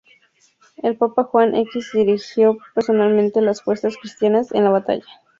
El Papa Juan X dirigió personalmente las fuerzas cristianas en la batalla.